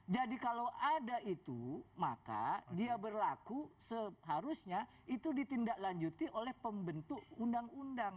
kalau ada itu maka dia berlaku seharusnya itu ditindaklanjuti oleh pembentuk undang undang